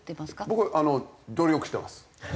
僕努力してます。